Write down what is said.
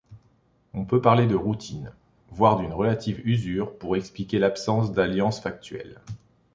On peut parler de routine, voire d'une relative usure pour expliquer l'absence d'alliance factuelle.